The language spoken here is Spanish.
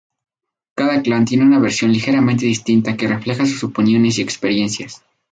Cada clan tiene una versión ligeramente distinta que refleja sus opiniones y experiencias.